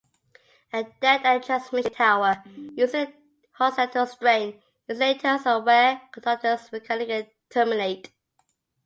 A dead-end transmission tower uses horizontal strain insulators and where the conductors mechanically terminate.